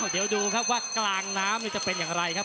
เดี๋ยวดูครับว่ากลางน้ำจะเป็นอย่างไรครับ